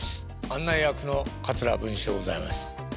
案内役の桂文枝でございます。